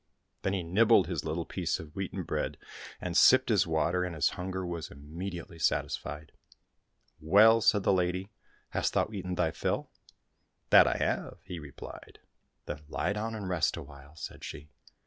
Then he nibbled his little piece of wheaten bread and sipped his water, and his hunger was imme diately satisfied. " Well," said the lady, " hast thou eaten thy fill ?"—" That I have," he replied.—" Then lie down and rest awhile," said she.